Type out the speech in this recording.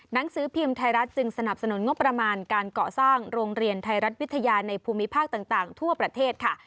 หนังสือพิมพ์ไทยรัฐจึงสนับสนุนงบประมาณการเกาะสร้างโรงเรียนไทยรัฐวิทยาในภูมิภาคต่างทั่วประเทศค่ะ